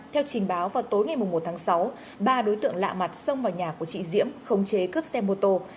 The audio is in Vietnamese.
theo trình báo vào tối ngày một tháng sáu ba đối tượng lạ mặt xông vào nhà của chị diễm khống chế cướp xe mô tô